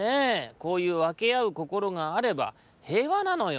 こういうわけあうこころがあれば平和なのよ。